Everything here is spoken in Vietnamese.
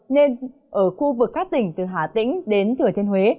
nên ở khu vực các tỉnh từ hà tĩnh đến thừa thiên huế